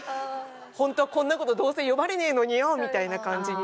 ホントはこんな事どうせ読まれねえのによみたいな感じに。